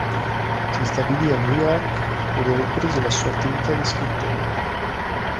Si stabilì a New York ove riprese la sua attività di scrittore.